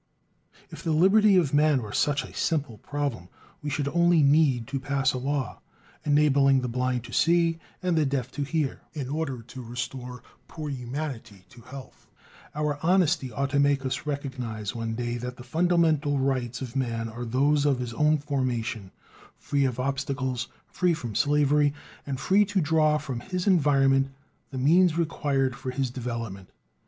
If the liberty of man were such a simple problem, we should only need to pass a law, enabling the blind to see and the deaf to hear, in order to restore "poor humanity" to health. Our honesty ought to make us recognize one day that the fundamental rights of man are those of his own "formation," free from obstacles, free from slavery, and free to draw from his environment the means required for his development.